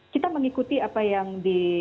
kita mengikuti apa yang di